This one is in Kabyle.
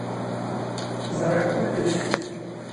Ẓṛiɣ kullec.